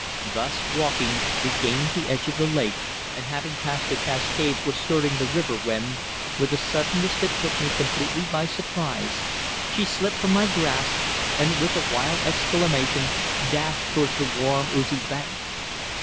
Thus walking, we gained the edge of the lake, and having passed the cascade were skirting the river when, with a suddenness that took me completely by surprise, she slipped from my grasp, and with a wild exclamation dashed towards the warm, oozy bank.